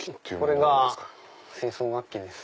これが清掃楽器です。